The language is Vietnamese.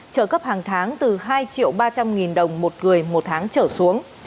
trợ cấp hàng tháng từ hai ba trăm linh đồng một người một tháng trở xuống